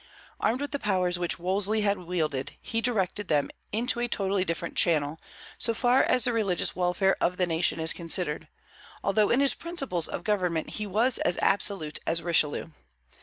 Armed with the powers which Wolsey had wielded, he directed them into a totally different channel, so far as the religious welfare of the nation is considered, although in his principles of government he was as absolute as Richelieu.